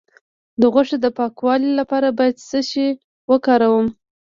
د غوښې د پاکوالي لپاره باید څه شی وکاروم؟